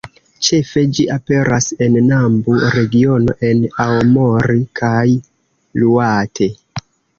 Ĉefe ĝi aperas en Nambu-regiono en Aomori, kaj Iŭate.